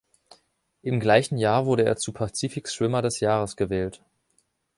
Im gleichen Jahr wurde er zu Pazifiks Schwimmer des Jahres gewählt.